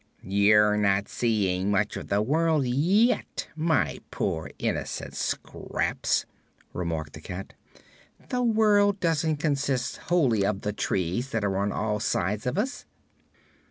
"You're not seeing much of the world yet, my poor, innocent Scraps," remarked the Cat. "The world doesn't consist wholly of the trees that are on all sides of us."